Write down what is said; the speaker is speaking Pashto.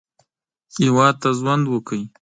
هېواد ته ژوند وکړئ